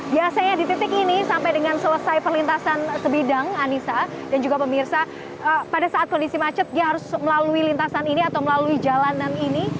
biasanya di titik ini sampai dengan selesai perlintasan sebidang anissa dan juga pemirsa pada saat kondisi macet dia harus melalui lintasan ini atau melalui jalanan ini